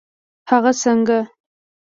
هغه څنګه؟